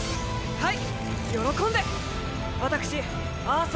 はい！